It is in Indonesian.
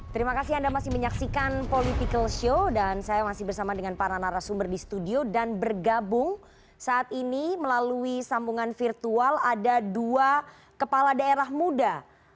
terima kasih anda masih menyaksikan political show dan saya masih bersama dengan para narasumber di studio dan bergabung saat ini melalui sambungan virtual ada dua kepala daerah muda